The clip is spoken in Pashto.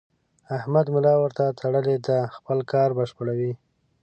احمد ملا ورته تړلې ده؛ خپل کار بشپړوي.